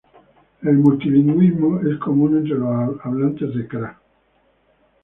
El multilingüismo es común entre los hablantes de kra.